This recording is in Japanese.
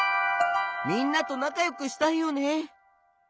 みんなとなかよくしたいよね。